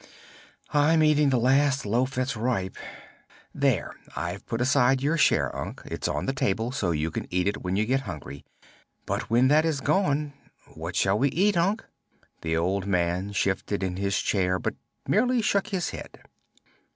"I'm eating the last loaf that's ripe. There; I've put aside your share, Unc. It's on the table, so you can eat it when you get hungry. But when that is gone, what shall we eat, Unc?" The old man shifted in his chair but merely shook his head.